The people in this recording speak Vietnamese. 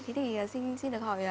thì xin được hỏi